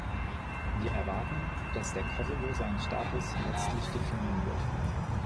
Wir erwarten, dass der Kosovo seinen Status letztlich definieren wird.